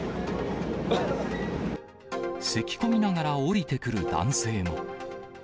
せき込みながら降りてくる男性も。